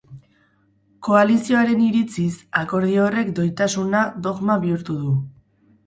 Koalizioaren iritziz, akordio horrek doitasuna dogma bihurtu du.